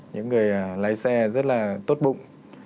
những người lái xe rất là tốt bụng